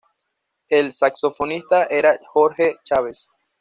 El saxofonista era Jorge Chávez.